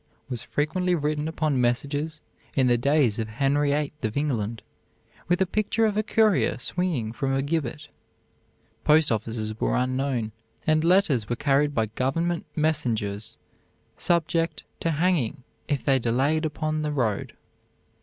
was frequently written upon messages in the days of Henry VIII of England, with a picture of a courier swinging from a gibbet. Post offices were unknown, and letters were carried by government messengers subject to hanging if they delayed upon the road.